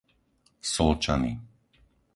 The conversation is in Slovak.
Solčany